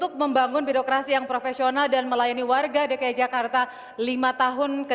keadilan sosial saja